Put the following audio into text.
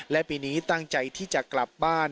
และปีนี้ตั้งใจที่จะกลับบ้าน